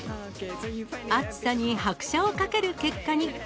暑さに拍車をかける結果に。